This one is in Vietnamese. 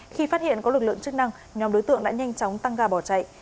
khi phát hiện có lực lượng chức năng nhóm đối tượng đã nhanh chóng tăng ga bỏ chạy